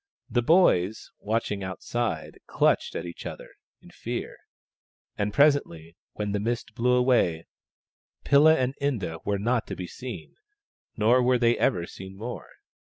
The boys, watching outside, clutched at each other in fear. And presently, when the mist blew away, Pilla and Inda were not to be seen, nor were they ever seen more.